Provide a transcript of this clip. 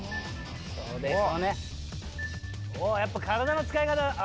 おっやっぱ体の使い方あ